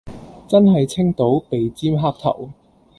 真係清到鼻尖黑頭